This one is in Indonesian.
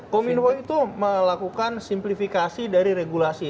kominfo itu melakukan simplifikasi dari regulasi